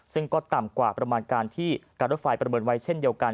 ซึ่งก็ต่ำกว่าประมาณการที่การรถไฟประเมินไว้เช่นเดียวกัน